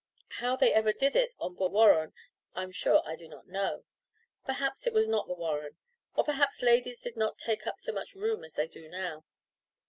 How they ever did it on board the Warren I am sure I do not know. Perhaps it was not the Warren, or perhaps ladies did not take up so much room as they do now.